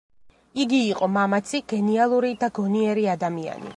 იგი იყო მამაცი, გენიალური და გონიერი ადამიანი.